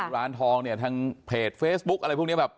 ร้านทองเนี่ยทางเพจเฟซบุ๊คอะไรพวกนี้แบบ